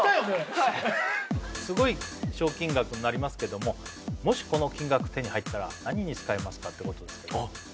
はいすごい賞金額になりますけどももしこの金額手に入ったら何に使いますかってことですけど